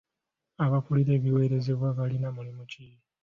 Abakulira ebiweerezebwa balina mulimu ki?